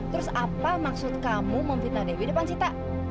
terus apa maksud kamu memfitnah devi depan sita